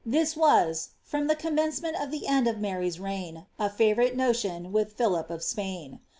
This was, from the commencement to the end of Mary's . fiivourite notion with Philip of Spain.